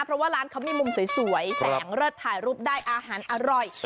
เพราะว่าร้านเขามีมุมสวยแสงเลิศถ่ายรูปได้อาหารอร่อย